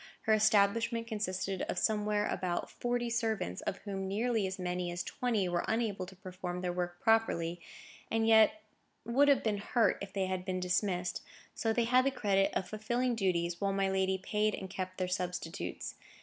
Her establishment consisted of somewhere about forty servants, of whom nearly as many as twenty were unable to perform their work properly, and yet would have been hurt if they had been dismissed; so they had the credit of fulfilling duties, while my lady paid and kept their substitutes.